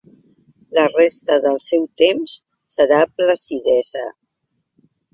La resta del seu temps serà placidesa.